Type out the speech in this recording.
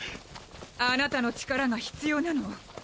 あなたの力が必要なの。